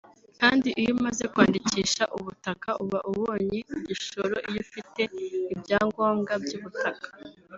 kandi iyo umaze kwandikisha ubutaka uba ubonye igishoro iyo ufite ibyangombwa by’ubutaka